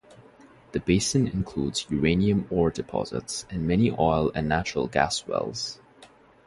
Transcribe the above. The basin includes uranium ore deposits and many oil and natural gas wells.